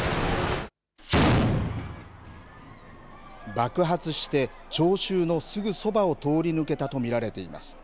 爆発して、聴衆のすぐそばを通り抜けたと見られています。